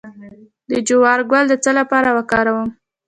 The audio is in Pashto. د جوار ګل د څه لپاره وکاروم؟